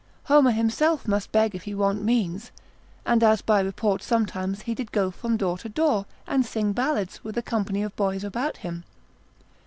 Homer himself must beg if he want means, and as by report sometimes he did go from door to door, and sing ballads, with a company of boys about him.